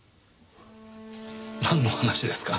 なんの話ですか？